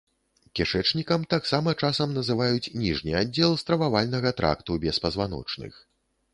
Кішэчнікам таксама часам называюць ніжні аддзел стрававальнага тракту беспазваночных.